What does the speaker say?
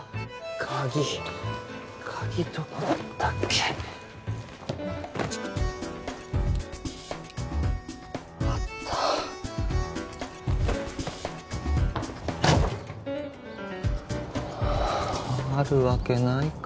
鍵鍵どこやったっけあったあるわけないか